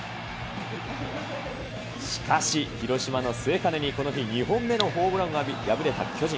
しかし、広島の末包にこの日２本目のホームランを浴び敗れた巨人。